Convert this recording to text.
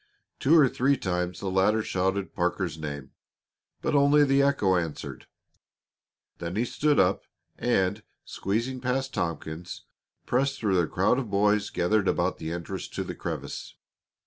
Two or three times the latter shouted Parker's name, but only the echo answered. Then he stood up, and, squeezing past Tompkins, pressed through the crowd of boys gathered about the entrance to the crevice.